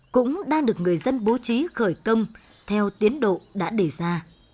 cũng đang được người dân bố trí khởi công theo tiến độ đã đề ra